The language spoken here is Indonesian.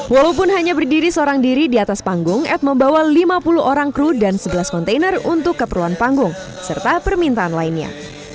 walaupun hanya berdiri seorang diri di atas panggung ed membawa lima puluh orang kru dan sebelas kontainer untuk keperluan panggung serta permintaan lainnya